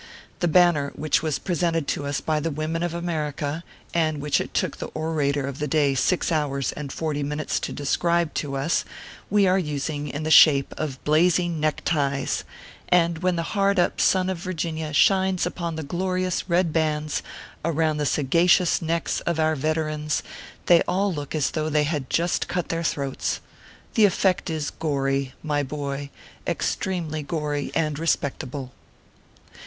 The banner which was presented to us by the women of America, and which it took the orator of the day six hours and forty min utes to describe to us, we are using in the shape of blazing neck ties ; and when the hard up sun of Vir ginia shines upon the glorious red bands around the sagacious necks of our veterans, they all look as though they had just cut their throats. The effect is gory, my boy extremely gory and respectable.